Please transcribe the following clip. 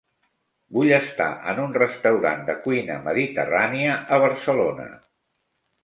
Vull estar en un restaurant de cuina mediterrània a Barcelona.